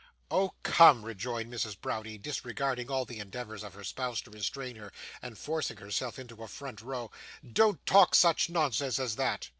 'Oh, come,' rejoined Mrs. Browdie, disregarding all the endeavours of her spouse to restrain her, and forcing herself into a front row, 'don't talk such nonsense as that.